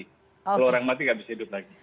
kalau orang mati nggak bisa hidup lagi